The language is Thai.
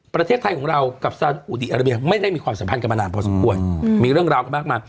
ประเทศไทยของเรากับซาอุดีอาราเบียไม่ได้มีความสัมพันธ์กันมานานพอสมควรมีเรื่องราวกันมากมาย